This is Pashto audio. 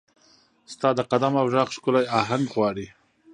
ستا د قدم او ږغ، ښکلې اهنګ غواړي